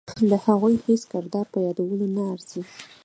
د هغوی هیڅ کردار په یادولو نه ارزي.